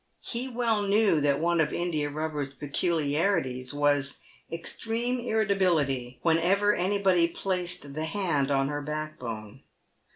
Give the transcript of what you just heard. He well knew that one of India Bubber's peculiarities was extreme irritability whenever any PAVED WITH GOLD. 167 body placed the hand on her backbone.